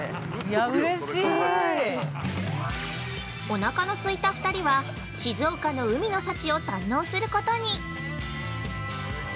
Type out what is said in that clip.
◆お腹のすいた２人は、静岡の海の幸を堪能することに。